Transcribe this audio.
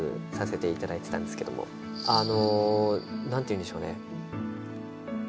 あの何て言うんでしょうね？